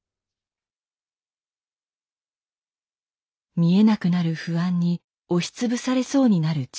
見えなくなる不安に押し潰されそうになる父。